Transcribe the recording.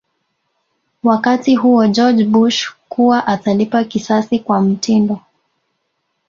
wakati huo George Bush kuwa atalipa kisasi kwa mtindo